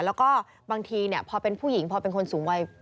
แล้วก็บางทีพอเป็นผู้หญิงพอเป็นคนสูงวัย